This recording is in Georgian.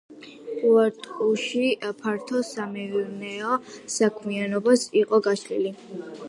ურარტუში ფართო სამეურნეო საქმიანობა იყო გაშლილი.